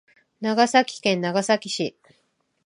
長崎県長崎市